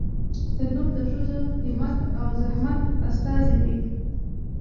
تنور د ښځو همت او زحمت استازی دی